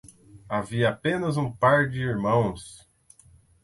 Havia apenas um par de irmãos.